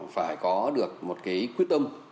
phải có được một cái quyết tâm